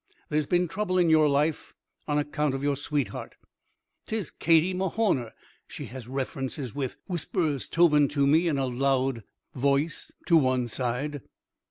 There's been trouble in your life on account of your sweetheart." "'Tis Katie Mahorner she has references with," whispers Tobin to me in a loud voice to one side.